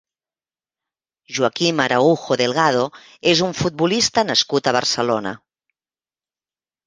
Joaquim Araujo Delgado és un futbolista nascut a Barcelona.